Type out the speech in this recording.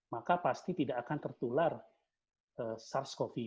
maka pasti tidak akan tertular sars cov dua